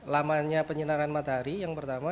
lamanya penyinaran matahari yang pertama